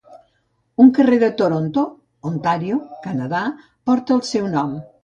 Un carrer de Toronto, Ontario, Canadà, porta el seu nom.